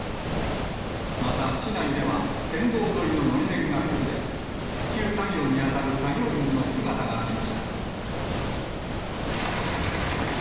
また市内では、県道沿いののり面が崩れ、復旧作業に当たる作業員の姿がありました。